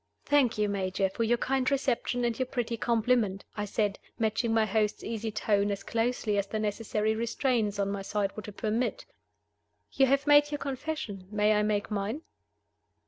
"Thank you, Major, for your kind reception and your pretty compliment," I said, matching my host's easy tone as closely as the necessary restraints on my side would permit. "You have made your confession. May I make mine?"